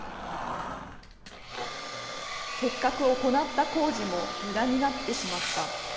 せっかく行った工事もむだになってしまった。